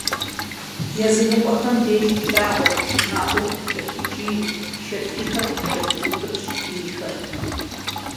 Языныкъуэхэм деж тлъагъурт шынагъуэу къыткӀэлъыкӀий, шэ фийхэр къыткӀэлъызыутӀыпщ бийхэр.